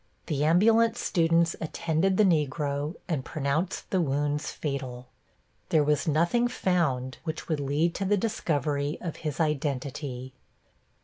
The ambulance students attended the Negro and pronounced the wounds fatal. There was nothing found which would lead to the discovery of his identity.